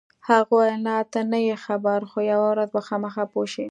هغې وویل: نه، ته نه یې خبر، خو یوه ورځ به خامخا پوه شې.